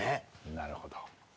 なるほど。